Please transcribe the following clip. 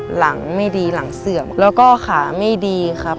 หลังไม่ดีหลังเสื่อมแล้วก็ขาไม่ดีครับ